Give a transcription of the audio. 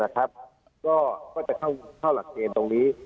ก็จะเข้าหลักเกณฑ์ตรงนี้